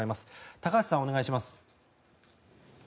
高橋さん、お願いします。